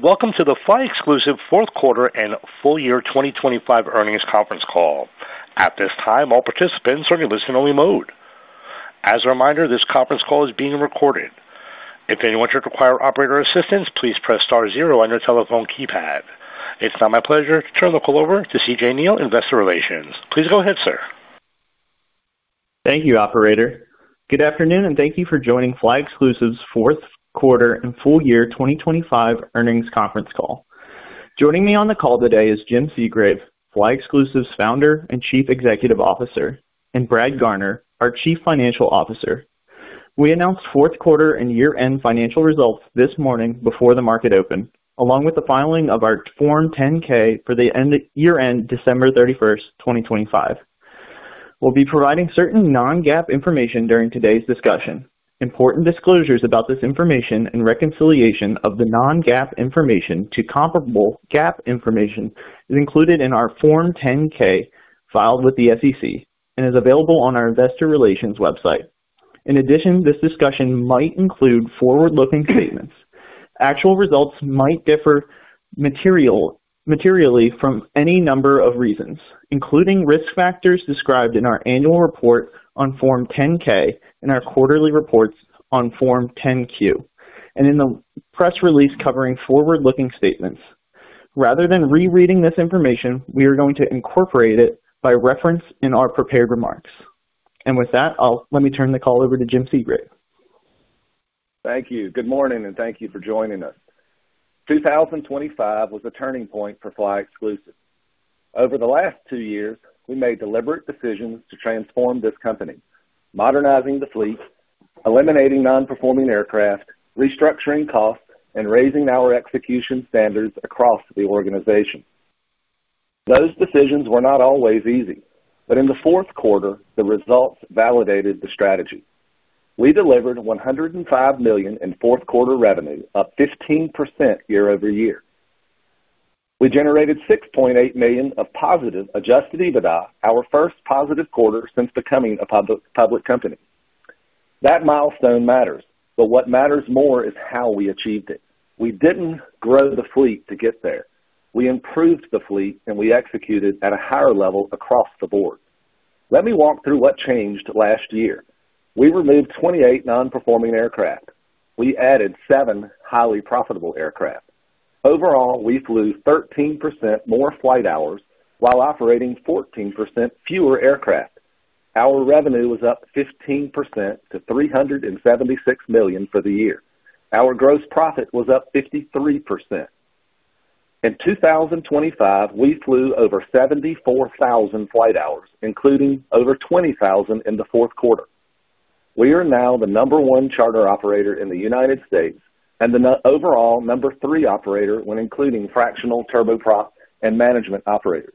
Welcome to the flyExclusive fourth quarter and full year 2025 earnings conference call. At this time, all participants are in listen-only mode. As a reminder, this conference call is being recorded. If anyone should require operator assistance, please press star zero on your telephone keypad. It's now my pleasure to turn the call over to CJ Neale, Investor Relations. Please go ahead, sir. Thank you, operator. Good afternoon, thank you for joining flyExclusive's fourth quarter and full year 2025 earnings conference call. Joining me on the call today is Jim Segrave, flyExclusive's Founder and Chief Executive Officer, and Brad Garner, our Chief Financial Officer. We announced fourth quarter and year-end financial results this morning before the market opened, along with the filing of our Form 10-K for the year-end December 31st, 2025. We'll be providing certain non-GAAP information during today's discussion. Important disclosures about this information and reconciliation of the non-GAAP information to comparable GAAP information is included in our Form 10-K filed with the SEC and is available on our investor relations website. In addition, this discussion might include forward-looking statements. Actual results might differ materially from any number of reasons, including risk factors described in our annual report on Form 10-K and our quarterly reports on Form 10-Q and in the press release covering forward-looking statements. Rather than rereading this information, we are going to incorporate it by reference in our prepared remarks. With that, let me turn the call over to Jim Segrave. Thank you. Good morning, thank you for joining us. 2025 was a turning point for flyExclusive. Over the last two years, we made deliberate decisions to transform this company, modernizing the fleet, eliminating non-performing aircraft, restructuring costs, and raising our execution standards across the organization. Those decisions were not always easy, in the fourth quarter, the results validated the strategy. We delivered $105 million in fourth quarter revenue, up 15% year-over-year. We generated $6.8 million of positive Adjusted EBITDA, our first positive quarter since becoming a public company. That milestone matters, what matters more is how we achieved it. We didn't grow the fleet to get there. We improved the fleet, we executed at a higher level across the board. Let me walk through what changed last year. We removed 28 non-performing aircraft. We added 7 highly profitable aircraft. Overall, we flew 13% more flight hours while operating 14% fewer aircraft. Our revenue was up 15% to $376 million for the year. Our gross profit was up 53%. In 2025, we flew over 74,000 flight hours, including over 20,000 in the fourth quarter. We are now the number 1 charter operator in the United States and the overall number 3 operator when including fractional turboprop and management operators.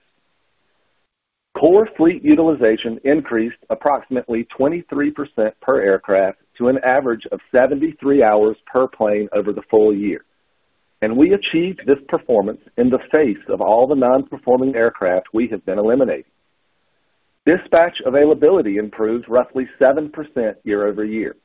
Core fleet utilization increased approximately 23% per aircraft to an average of 73 hours per plane over the full year. We achieved this performance in the face of all the non-performing aircraft we have been eliminating. Dispatch availability improved roughly 7% year-over-year.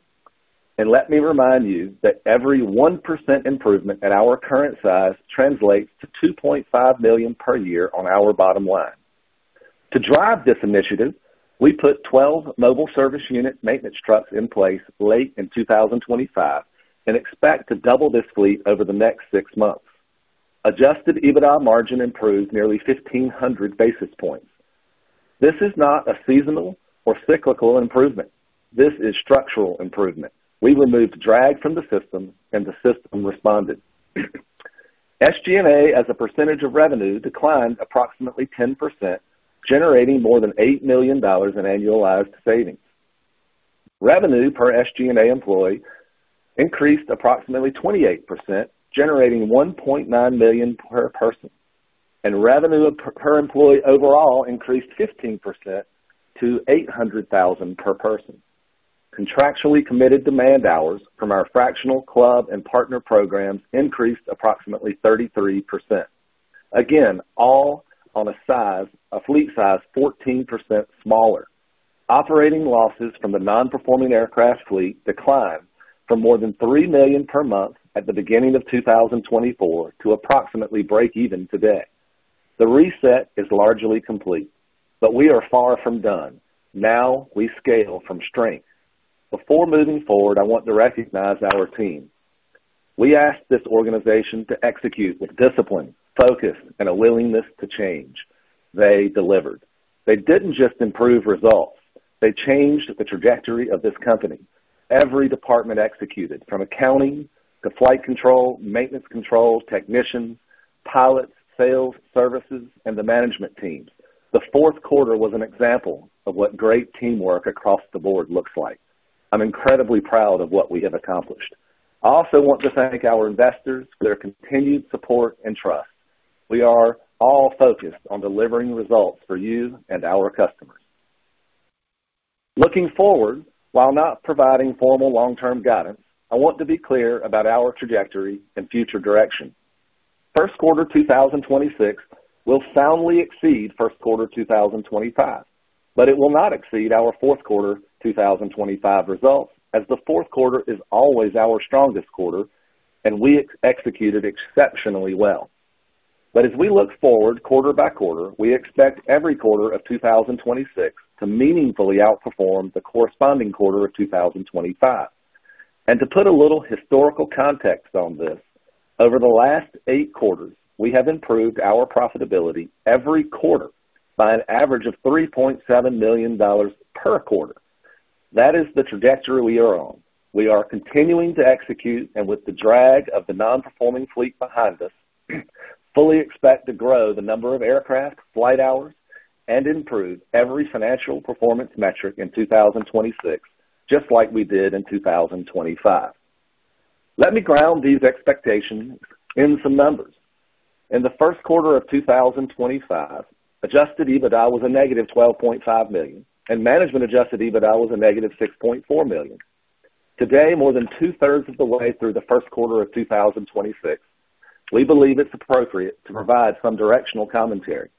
Let me remind you that every 1% improvement at our current size translates to $2.5 million per year on our bottom line. To drive this initiative, we put 12 mobile service unit maintenance trucks in place late in 2025 and expect to double this fleet over the next 6 months. Adjusted EBITDA margin improved nearly 1,500 basis points. This is not a seasonal or cyclical improvement. This is structural improvement. We removed drag from the system, and the system responded. SG&A, as a percentage of revenue, declined approximately 10%, generating more than $8 million in annualized savings. Revenue per SG&A employee increased approximately 28%, generating $1.9 million per person, and revenue per employee overall increased 15% to $800,000 per person. Contractually committed demand hours from our fractional club and partner programs increased approximately 33%. All on a fleet size 14% smaller. Operating losses from the non-performing aircraft fleet declined from more than $3 million per month at the beginning of 2024 to approximately breakeven today. The reset is largely complete. We are far from done. Now we scale from strength. Before moving forward, I want to recognize our team. We asked this organization to execute with discipline, focus, and a willingness to change. They delivered. They didn't just improve results. They changed the trajectory of this company. Every department executed, from accounting to flight control, maintenance control, technicians, pilots, sales, services, and the management teams. The fourth quarter was an example of what great teamwork across the board looks like. I'm incredibly proud of what we have accomplished. I also want to thank our investors for their continued support and trust. We are all focused on delivering results for you and our customers. Looking forward, while not providing formal long-term guidance, I want to be clear about our trajectory and future direction. First quarter 2026 will soundly exceed first quarter 2025, but it will not exceed our fourth quarter 2025 results, as the fourth quarter is always our strongest quarter and we executed exceptionally well. As we look forward quarter by quarter, we expect every quarter of 2026 to meaningfully outperform the corresponding quarter of 2025. To put a little historical context on this, over the last 8 quarters, we have improved our profitability every quarter by an average of $3.7 million per quarter. That is the trajectory we are on. We are continuing to execute, and with the drag of the non-performing fleet behind us, fully expect to grow the number of aircraft flight hours and improve every financial performance metric in 2026, just like we did in 2025. Let me ground these expectations in some numbers. In the first quarter of 2025, Adjusted EBITDA was a negative $12.5 million and management Adjusted EBITDA was a negative $6.4 million. Today, more than two-thirds of the way through the first quarter of 2026, we believe it's appropriate to provide some directional commentary.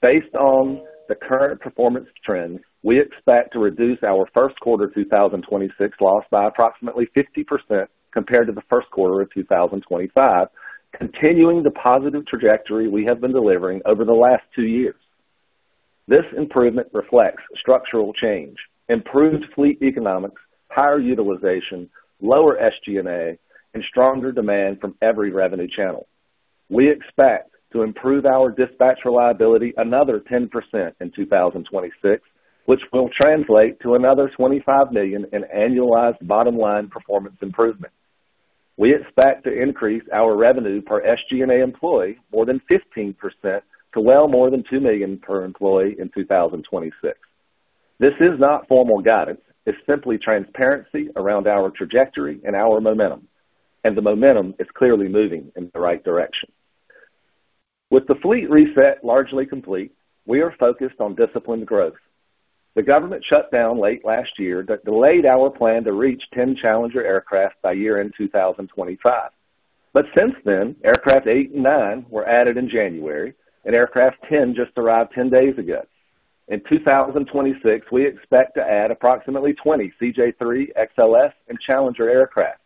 Based on the current performance trends, we expect to reduce our first quarter 2026 loss by approximately 50% compared to the first quarter of 2025, continuing the positive trajectory we have been delivering over the last 2 years. This improvement reflects structural change, improved fleet economics, higher utilization, lower SG&A and stronger demand from every revenue channel. We expect to improve our dispatch reliability another 10% in 2026, which will translate to another $25 million in annualized bottom line performance improvement. We expect to increase our revenue per SG&A employee more than 15% to well more than $2 million per employee in 2026. This is not formal guidance. It's simply transparency around our trajectory and our momentum. The momentum is clearly moving in the right direction. With the fleet reset largely complete, we are focused on disciplined growth. The government shut down late last year that delayed our plan to reach 10 Challenger aircraft by year-end 2025. Since then, aircraft 8 and 9 were added in January and aircraft 10 just arrived 10 days ago. In 2026, we expect to add approximately 20, XLS, and Challenger aircraft.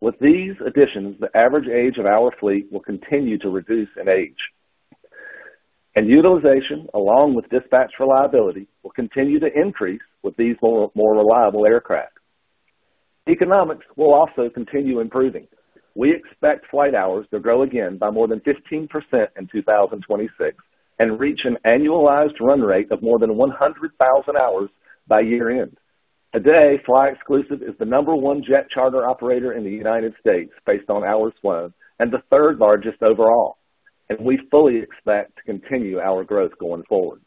With these additions, the average age of our fleet will continue to reduce in age. Utilization, along with dispatch reliability, will continue to increase with these more reliable aircraft. Economics will also continue improving. We expect flight hours to grow again by more than 15% in 2026 and reach an annualized run rate of more than 100,000 hours by year-end. Today, flyExclusive is the number-one jet charter operator in the United States based on hours flown and the third largest overall, and we fully expect to continue our growth going forward.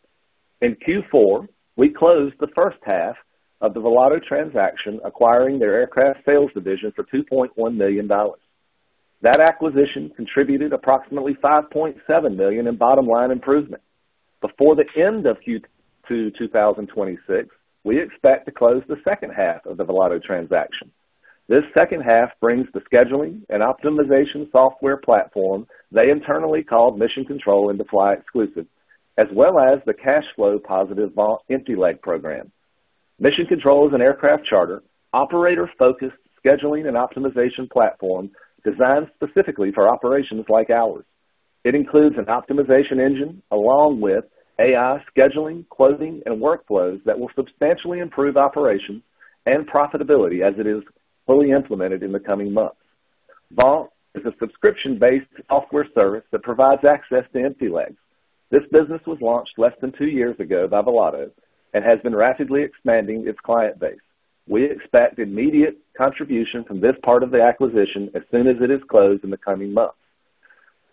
In Q4, we closed the first half of the Volato transaction, acquiring their aircraft sales division for $2.1 million. That acquisition contributed approximately $5.7 million in bottom line improvement. Before the end of Q2 2026, we expect to close the second half of the Volato transaction. This second half brings the scheduling and optimization software platform they internally call Mission Control into flyExclusive, as well as the cash flow positive Vault empty leg program. Mission Control is an aircraft charter operator-focused scheduling and optimization platform designed specifically for operations like ours. It includes an optimization engine along with AI scheduling, closing, and workflows that will substantially improve operations and profitability as it is fully implemented in the coming months. Vault is a subscription-based software service that provides access to empty legs. This business was launched less than two years ago by Volato and has been rapidly expanding its client base. We expect immediate contribution from this part of the acquisition as soon as it is closed in the coming months.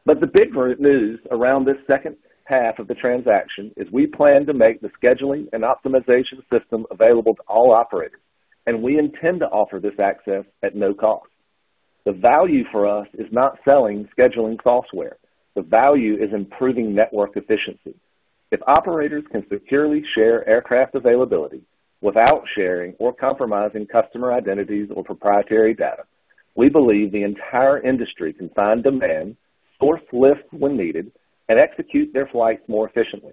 The big news around this second half of the transaction is we plan to make the scheduling and optimization system available to all operators, and we intend to offer this access at no cost. The value for us is not selling scheduling software. The value is improving network efficiency. If operators can securely share aircraft availability without sharing or compromising customer identities or proprietary data, we believe the entire industry can find demand, source lifts when needed, and execute their flights more efficiently.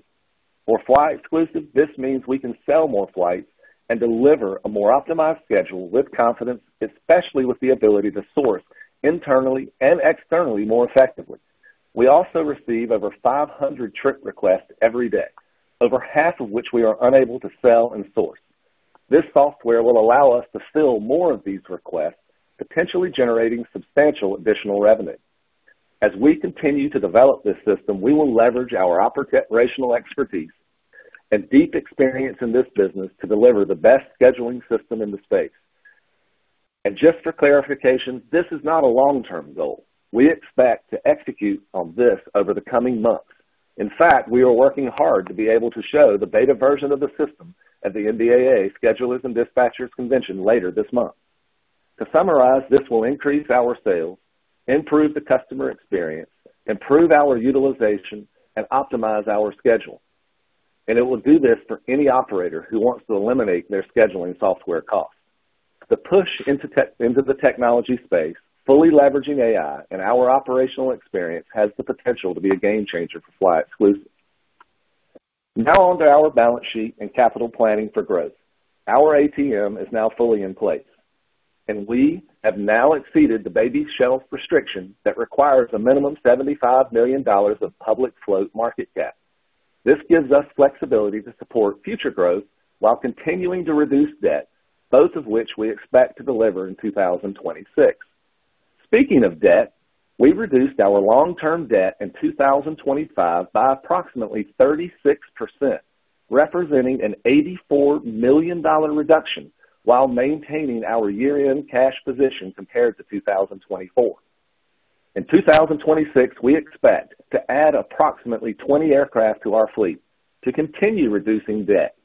For flyExclusive, this means we can sell more flights and deliver a more optimized schedule with confidence, especially with the ability to source internally and externally more effectively. We also receive over 500 trip requests every day, over half of which we are unable to sell and source. This software will allow us to fill more of these requests, potentially generating substantial additional revenue. As we continue to develop this system, we will leverage our operational expertise and deep experience in this business to deliver the best scheduling system in the space. Just for clarification, this is not a long-term goal. We expect to execute on this over the coming months. In fact, we are working hard to be able to show the beta version of the system at the NBAA Schedulers & Dispatchers Conference later this month. To summarize, this will increase our sales, improve the customer experience, improve our utilization, and optimize our schedule. It will do this for any operator who wants to eliminate their scheduling software costs. The push into the technology space, fully leveraging AI and our operational experience has the potential to be a game changer for flyExclusive. Now onto our balance sheet and capital planning for growth. Our ATM is now fully in place. We have now exceeded the baby shelf restriction that requires a minimum $75 million of public float market cap. This gives us flexibility to support future growth while continuing to reduce debt, both of which we expect to deliver in 2026. Speaking of debt, we reduced our long-term debt in 2025 by approximately 36%, representing an $84 million reduction, while maintaining our year-end cash position compared to 2024. In 2026, we expect to add approximately 20 aircraft to our fleet to continue reducing debt,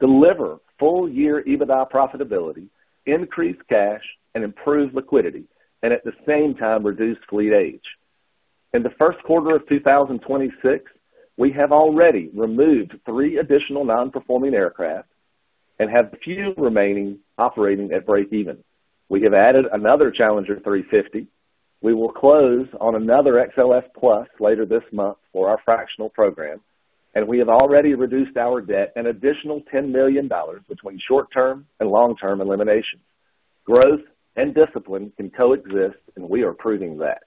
deliver full-year EBITDA profitability, increase cash and improve liquidity, at the same time, reduce fleet age. In the first quarter of 2026, we have already removed three additional non-performing aircraft and have a few remaining operating at breakeven. We have added another Challenger 350. We will close on another Citation XLS+ later this month for our fractional program. We have already reduced our debt an additional $10 million between short-term and long-term elimination. Growth and discipline can coexist. We are proving that.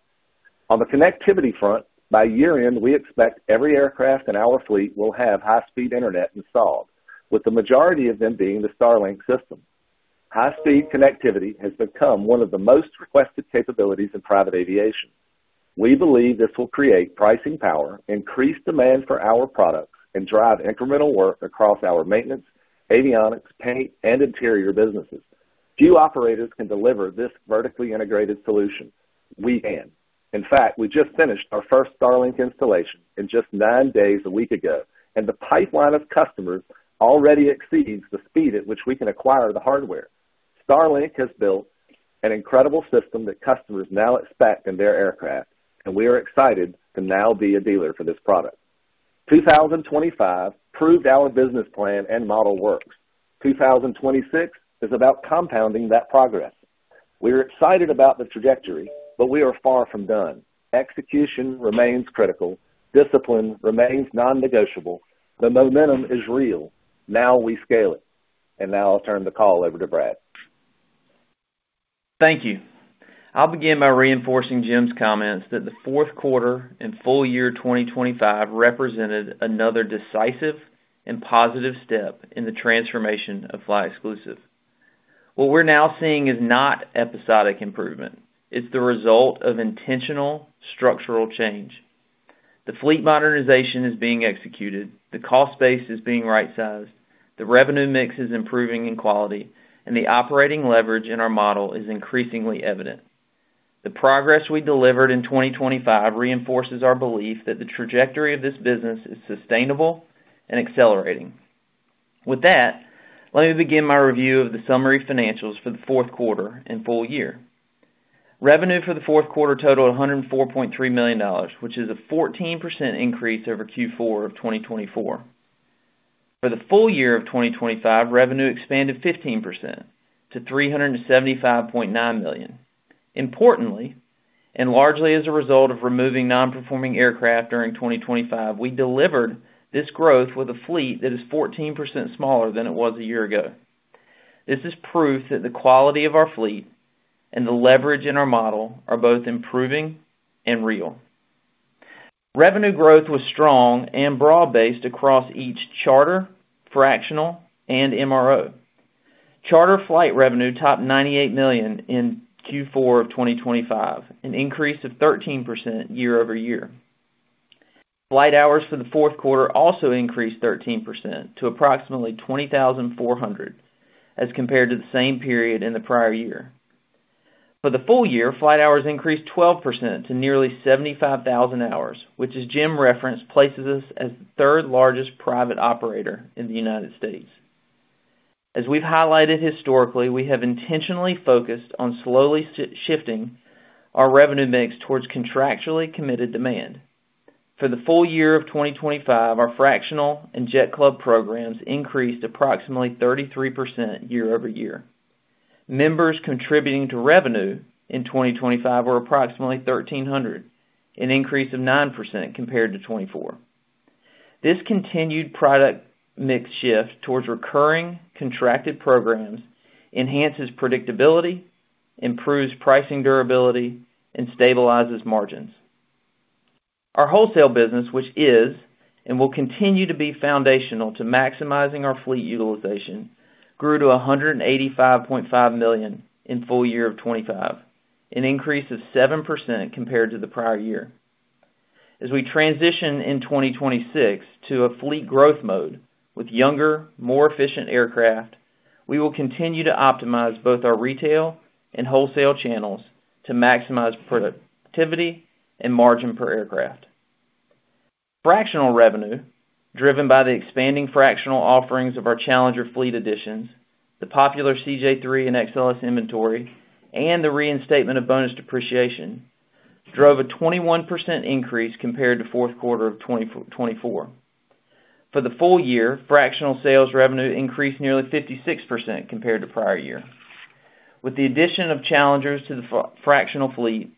On the connectivity front, by year-end, we expect every aircraft in our fleet will have high-speed internet installed, with the majority of them being the Starlink system. High-speed connectivity has become one of the most requested capabilities in private aviation. We believe this will create pricing power, increase demand for our products, and drive incremental work across our maintenance, avionics, paint, and interior businesses. Few operators can deliver this vertically integrated solution. We can. In fact, we just finished our first Starlink installation in just nine days, a week ago, and the pipeline of customers already exceeds the speed at which we can acquire the hardware. Starlink has built an incredible system that customers now expect in their aircraft, and we are excited to now be a dealer for this product. Two thousand and twenty-five proved our business plan and model works. Two thousand and twenty-six is about compounding that progress. We're excited about the trajectory, but we are far from done. Execution remains critical. Discipline remains non-negotiable. The momentum is real. Now we scale it. Now I'll turn the call over to Brad. Thank you. I'll begin by reinforcing Jim's comments that the fourth quarter and full year 2025 represented another decisive and positive step in the transformation of flyExclusive. What we're now seeing is not episodic improvement. It's the result of intentional structural change. The fleet modernization is being executed, the cost base is being right-sized, the revenue mix is improving in quality, and the operating leverage in our model is increasingly evident. The progress we delivered in 2025 reinforces our belief that the trajectory of this business is sustainable and accelerating. Let me begin my review of the summary financials for the fourth quarter and full year. Revenue for the fourth quarter totaled $104.3 million, which is a 14% increase over Q4 of 2024. For the full year of 2025, revenue expanded 15% to $375.9 million. Importantly, and largely as a result of removing non-performing aircraft during 2025, we delivered this growth with a fleet that is 14% smaller than it was a year ago. This is proof that the quality of our fleet and the leverage in our model are both improving and real. Revenue growth was strong and broad-based across each charter, fractional, and MRO. Charter flight revenue topped $98 million in Q4 of 2025, an increase of 13% year-over-year. Flight hours for the fourth quarter also increased 13% to approximately 20,400, as compared to the same period in the prior year. For the full year, flight hours increased 12% to nearly 75,000 hours, which, as Jim referenced, places us as the 3rd-largest private operator in the United States. As we've highlighted historically, we have intentionally focused on slowly shifting our revenue mix towards contractually committed demand. For the full year of 2025, our fractional and jet club programs increased approximately 33% year-over-year. Members contributing to revenue in 2025 were approximately 1,300, an increase of 9% compared to 2024. This continued product mix shift towards recurring contracted programs enhances predictability, improves pricing durability, and stabilizes margins. Our wholesale business, which is and will continue to be foundational to maximizing our fleet utilization, grew to $185.5 million in full year of 2025, an increase of 7% compared to the prior year. As we transition in 2026 to a fleet growth mode with younger, more efficient aircraft, we will continue to optimize both our retail and wholesale channels to maximize productivity and margin per aircraft. Fractional revenue, driven by the expanding fractional offerings of our Challenger fleet additions, the popular CJ3 and XLS inventory, and the reinstatement of bonus depreciation drove a 21% increase compared to fourth quarter of 2024. For the full year, fractional sales revenue increased nearly 56% compared to prior year. With the addition of Challengers to the fractional fleet,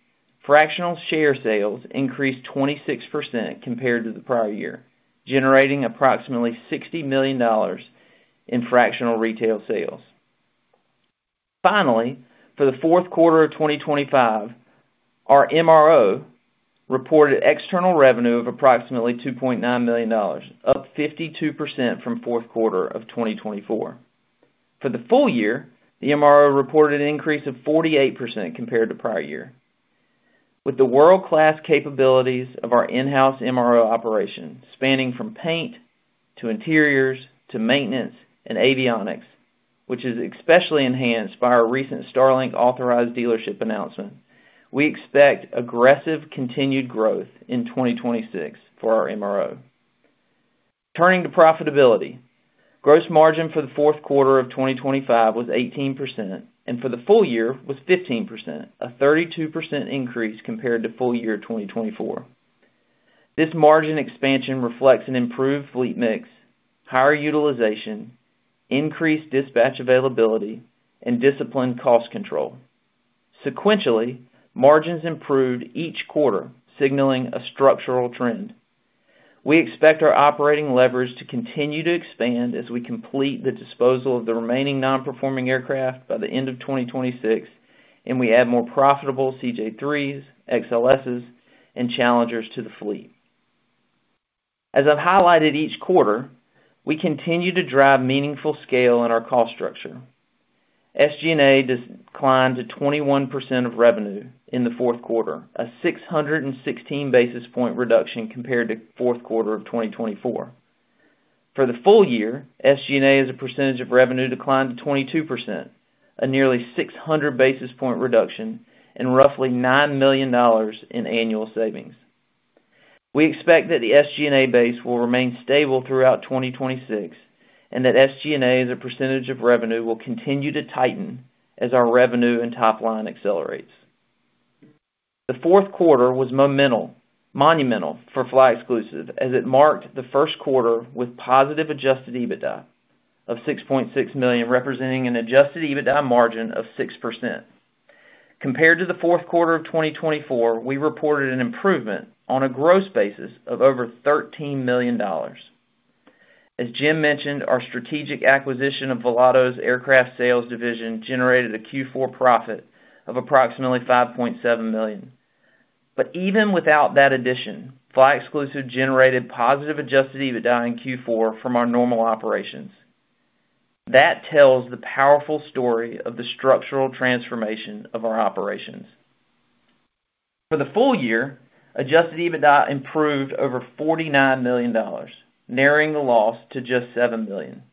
fractional share sales increased 26% compared to the prior year, generating approximately $60 million in fractional retail sales. For the fourth quarter of 2025, our MRO reported external revenue of approximately $2.9 million, up 52% from fourth quarter of 2024. For the full year, the MRO reported an increase of 48% compared to prior year. With the world-class capabilities of our in-house MRO operations, spanning from paint to interiors to maintenance and avionics, which is especially enhanced by our recent Starlink authorized dealership announcement, we expect aggressive continued growth in 2026 for our MRO. Turning to profitability. Gross margin for the fourth quarter of 2025 was 18%, and for the full year was 15%, a 32% increase compared to full year 2024. This margin expansion reflects an improved fleet mix, higher utilization, increased dispatch availability, and disciplined cost control. Sequentially, margins improved each quarter, signaling a structural trend. We expect our operating leverage to continue to expand as we complete the disposal of the remaining non-performing aircraft by the end of 2026, and we add more profitable CJ3s, XLSs, and Challengers to the fleet. As I've highlighted each quarter, we continue to drive meaningful scale in our cost structure. SG&A declined to 21% of revenue in the fourth quarter, a 616 basis point reduction compared to fourth quarter of 2024. For the full year, SG&A, as a percentage of revenue, declined to 22%, a nearly 600 basis point reduction and roughly $9 million in annual savings. We expect that the SG&A base will remain stable throughout 2026, and that SG&A, as a percentage of revenue, will continue to tighten as our revenue and top line accelerates. The fourth quarter was monumental for flyExclusive as it marked the first quarter with positive Adjusted EBITDA of $6.6 million, representing an Adjusted EBITDA margin of 6%. Compared to the fourth quarter of 2024, we reported an improvement on a gross basis of over $13 million. As Jim mentioned, our strategic acquisition of Volato's aircraft sales division generated a Q4 profit of approximately $5.7 million. Even without that addition, flyExclusive generated positive Adjusted EBITDA in Q4 from our normal operations. That tells the powerful story of the structural transformation of our operations. For the full year, Adjusted EBITDA improved over $49 million, narrowing the loss to just $7 million.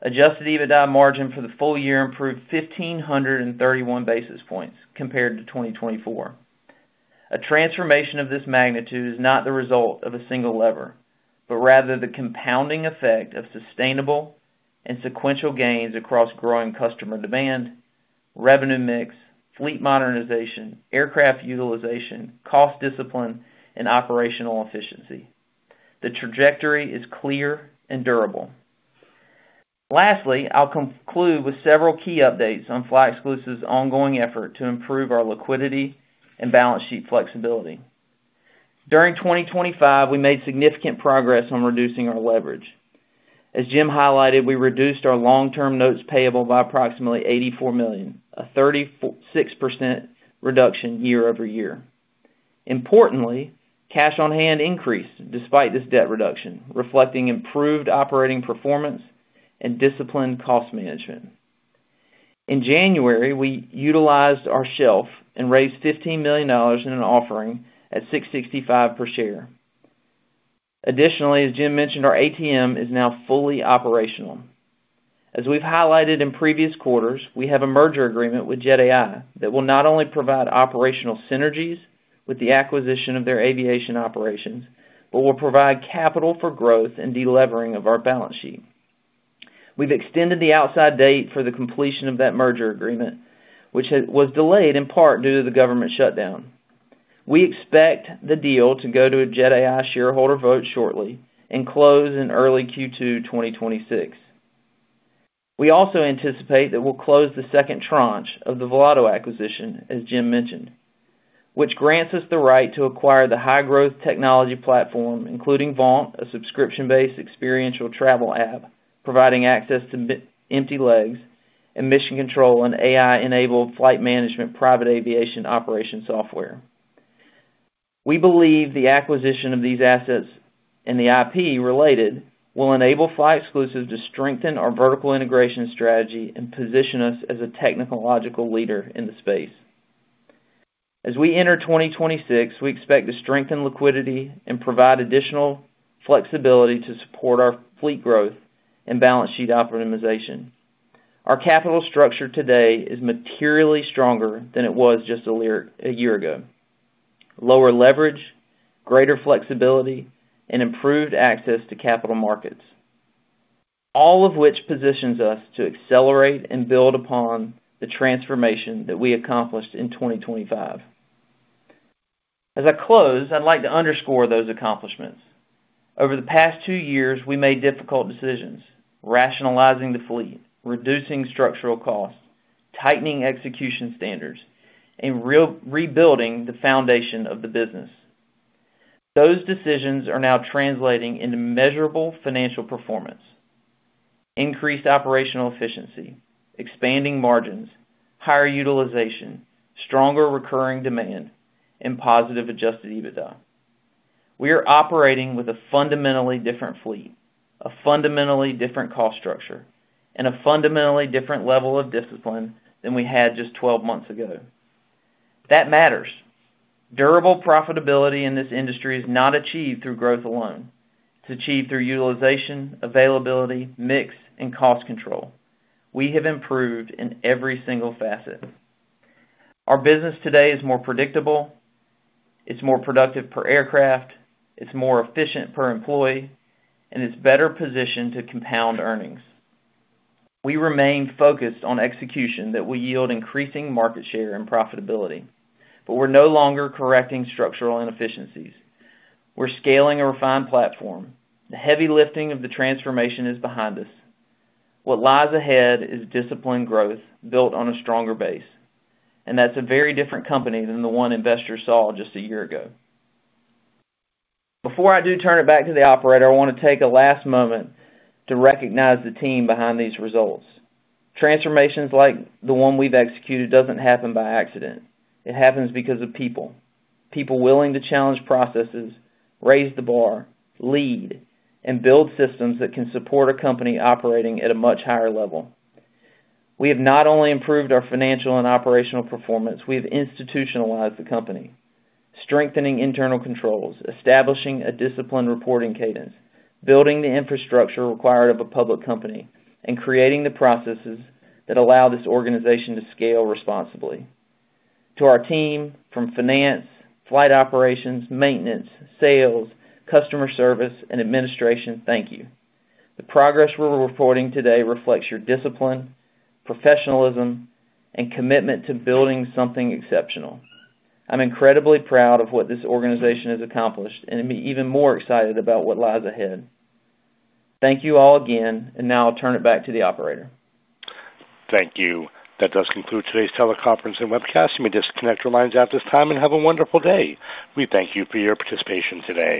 Adjusted EBITDA margin for the full year improved 1,531 basis points compared to 2024. A transformation of this magnitude is not the result of a single lever, but rather the compounding effect of sustainable and sequential gains across growing customer demand, revenue mix, fleet modernization, aircraft utilization, cost discipline, and operational efficiency. The trajectory is clear and durable. Lastly, I'll conclude with several key updates on flyExclusive's ongoing effort to improve our liquidity and balance sheet flexibility. During 2025, we made significant progress on reducing our leverage. As Jim highlighted, we reduced our long-term notes payable by approximately $84 million, a 36% reduction year-over-year. Importantly, cash on hand increased despite this debt reduction, reflecting improved operating performance and disciplined cost management. In January, we utilized our shelf and raised $15 million in an offering at $6.65 per share. Additionally, as Jim mentioned, our ATM is now fully operational. As we've highlighted in previous quarters, we have a merger agreement with Jet.AI that will not only provide operational synergies with the acquisition of their aviation operations, but will provide capital for growth and delevering of our balance sheet. We've extended the outside date for the completion of that merger agreement, which was delayed in part due to the government shutdown. We expect the deal to go to a Jet.AI shareholder vote shortly and close in early Q2, 2026. We also anticipate that we'll close the second tranche of the Volato acquisition, as Jim mentioned, which grants us the right to acquire the high-growth technology platform, including Vault, a subscription-based experiential travel app, providing access to empty legs and Mission Control, an AI-enabled flight management private aviation operation software. We believe the acquisition of these assets and the IP related will enable flyExclusive to strengthen our vertical integration strategy and position us as a technological leader in the space. As we enter 2026, we expect to strengthen liquidity and provide additional flexibility to support our fleet growth and balance sheet optimization. Our capital structure today is materially stronger than it was just a year ago. All of which positions us to accelerate and build upon the transformation that we accomplished in 2025. As I close, I'd like to underscore those accomplishments. Over the past two years, we made difficult decisions, rationalizing the fleet, reducing structural costs, tightening execution standards, and rebuilding the foundation of the business. Those decisions are now translating into measurable financial performance, increased operational efficiency, expanding margins, higher utilization, stronger recurring demand, and positive Adjusted EBITDA. We are operating with a fundamentally different fleet, a fundamentally different cost structure, and a fundamentally different level of discipline than we had just 12 months ago. That matters. Durable profitability in this industry is not achieved through growth alone. It's achieved through utilization, availability, mix, and cost control. We have improved in every single facet. Our business today is more predictable, it's more productive per aircraft, it's more efficient per employee, and it's better positioned to compound earnings. We remain focused on execution that will yield increasing market share and profitability. We're no longer correcting structural inefficiencies. We're scaling a refined platform. The heavy lifting of the transformation is behind us. What lies ahead is disciplined growth built on a stronger base, and that's a very different company than the one investors saw just a year ago. Before I do turn it back to the operator, I wanna take a last moment to recognize the team behind these results. Transformations like the one we've executed doesn't happen by accident. It happens because of people. People willing to challenge processes, raise the bar, lead, and build systems that can support a company operating at a much higher level. We have not only improved our financial and operational performance, we have institutionalized the company, strengthening internal controls, establishing a disciplined reporting cadence, building the infrastructure required of a public company, and creating the processes that allow this organization to scale responsibly. To our team from finance, flight operations, maintenance, sales, customer service, and administration, thank you. The progress we're reporting today reflects your discipline, professionalism, and commitment to building something exceptional. I'm incredibly proud of what this organization has accomplished, and am even more excited about what lies ahead. Thank you all again, and now I'll turn it back to the operator. Thank you. That does conclude today's teleconference and webcast. You may disconnect your lines at this time and have a wonderful day. We thank you for your participation today.